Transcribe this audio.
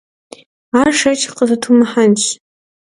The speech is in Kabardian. Ар шэч къызытумыхьэнщ.